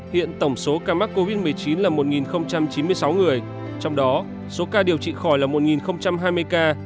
hiện tổng số ca mắc covid một mươi chín là một chín mươi sáu người trong đó số ca điều trị khỏi là một hai mươi ca